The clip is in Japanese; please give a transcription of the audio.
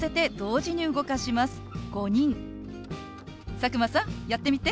佐久間さんやってみて。